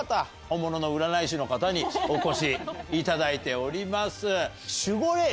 本物の占い師の方にお越しいただいております。